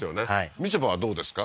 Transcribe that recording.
みちょぱはどうですか？